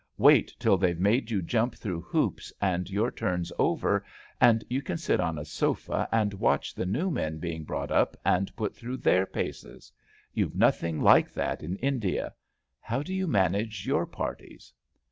Wait till they've made you jump through hoops and your turn's over, and you can sit on a sofa and watch the new men being brought up and put through their paces. You've nothing like that in India. How do you manage your parties!